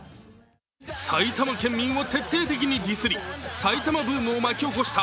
埼玉県県民を徹底的にディスリ、埼玉ブームを巻き起こした